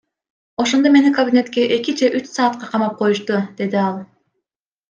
Ошондо мени кабинетке эки же үч саатка камап коюшту, — деди ал.